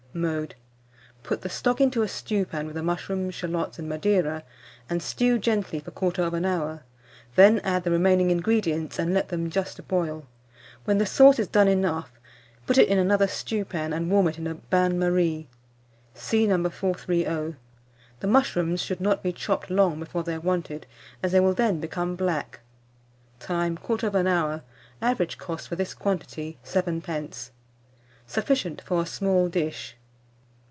Mode. Put the stock into a stewpan with the mushrooms, shalots, and Madeira, and stew gently for 1/4 hour, then add the remaining ingredients, and let them just boil. When the sauce is done enough, put it in another stewpan, and warm it in a bain marie. (See No. 430.) The mushrooms should not be chopped long before they are wanted, as they will then become black. Time. 1/4 hour. Average cost, for this quantity, 7d. Sufficient for a small dish.